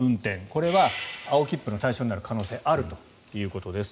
これは青切符の対象になる可能性あるということです。